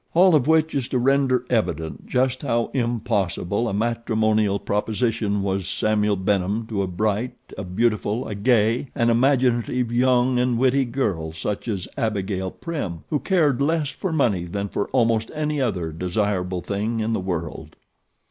All of which is to render evident just how impossible a matrimonial proposition was Samuel Benham to a bright, a beautiful, a gay, an imaginative, young, and a witty girl such as Abigail Prim, who cared less for money than for almost any other desirable thing in the world.